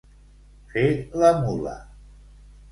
Fer la mula.